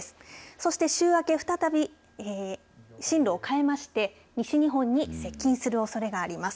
そして週明け再び進路を変えまして西日本に接近するおそれがあります。